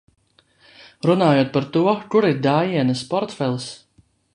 Runājot par to, kur ir Daienas portfelis?